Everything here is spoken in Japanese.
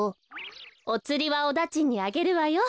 おつりはおだちんにあげるわよ。